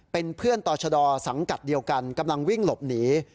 เป็นเพื่อนต่อชะดอสังกัดเดียวกันกำลังวิ่งหลบหนี